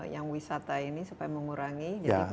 yang wisata ini